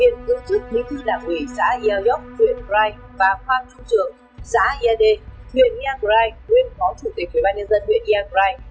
hiện tự chức lý thư đảng quỷ xã eagrade và khoa trung trưởng xã ead nguyễn eagrade nguyên phó chủ tịch phủy ban nhân dân nguyễn eagrade